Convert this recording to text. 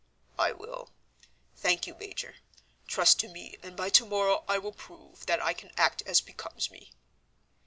"I will. Thank you, Major. Trust to me, and by tomorrow I will prove that I can act as becomes me."